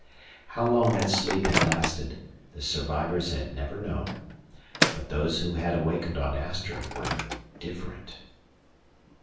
How long that sleep had lasted the survivors had never known. But those who had awakened on Astra were different.